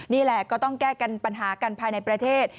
นี่แหละก็ต้องแก้กันปัญหากันภายในประเทศ